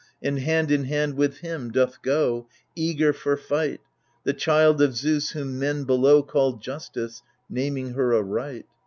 And hand in hand with him doth go, Eager for fight. The child of Zeus, whom men below Call Justice, naming her aright.